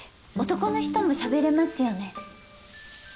男の人もしゃべれますよね？